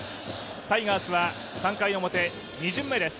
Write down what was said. タイガースは３回表、２巡目です